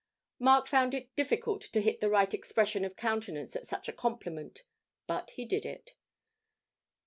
Mark found it difficult to hit the right expression of countenance at such a compliment, but he did it.